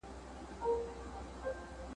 شاعر: ایلا ویلر ویلکا کس !.